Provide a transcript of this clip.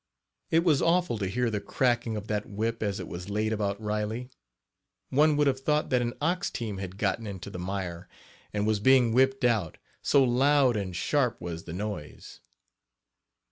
It was awful to hear the cracking of that whip as it was laid about Riley one would have thought that an ox team had gotten into the mire, and was being whipped out, so loud and sharp was the noise!